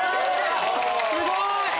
すごい！